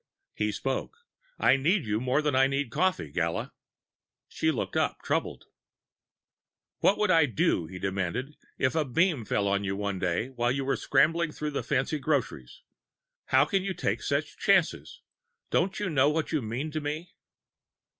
He spoke: "I need you more than I need coffee, Gala." She looked up, troubled. "What would I do," he demanded, "if a beam fell on you one day while you were scrambling through the fancy groceries? How can you take such chances? Don't you know what you mean to me?"